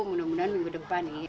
mudah mudahan minggu depan